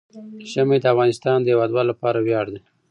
ژمی د افغانستان د هیوادوالو لپاره ویاړ دی.